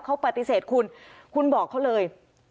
เขาปฏิเสธคุณคุณบอกเขาเลย